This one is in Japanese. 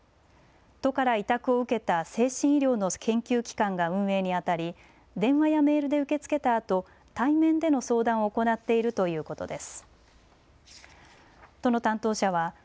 都から委託を受けた精神医療の研究機関が運営にあたり電話やメールで受け付けたあと対面での相談を行っているということです。